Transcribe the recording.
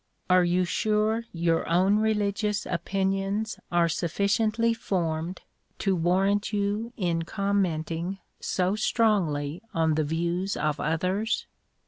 Are you sure your own religious opinions are sufficiently formed to warrant you in commenting so strongly on the views of others?"